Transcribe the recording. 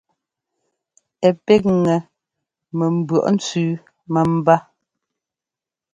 Ɛ píkŋɛ mɛ mbʉɔʼ ntsẅí mɛmbá.